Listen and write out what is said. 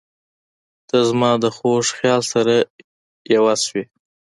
• ته زما د خوږ خیال سره یوه شوې.